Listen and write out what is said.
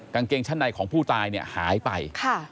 กางเกงชั้นในของผู้ตายเนี่ยหายไป